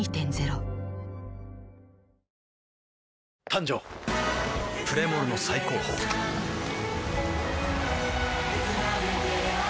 誕生プレモルの最高峰プシュッ！